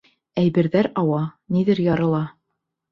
Әйберҙәр ауа, ниҙер ярыла.